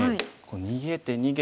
逃げて逃げて。